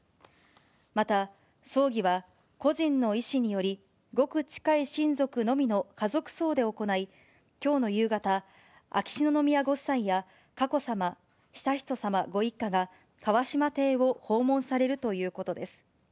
また、葬儀は故人の遺志により、ごく近い親族のみの家族葬で行い、きょうの夕方、秋篠宮ご夫妻や佳子さま、悠仁さまご一家が、川嶋邸を訪問されるということです。